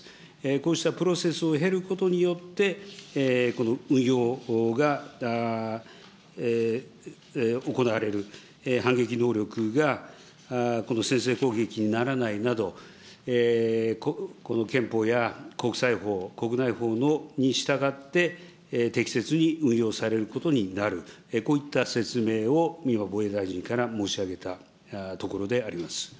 こうしたプロセスを経ることによって、運用が行われる、反撃能力が先制攻撃にならないなど、この憲法や国際法、国内法に従って適切に運用されることになる、こういった説明を今、防衛大臣から申し上げたところであります。